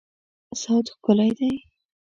صوت ښکلی دی